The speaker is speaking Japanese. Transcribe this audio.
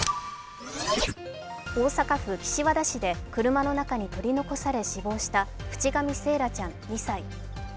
大阪府岸和田市で車の中に取り残され死亡した渕上惺愛ちゃん２歳。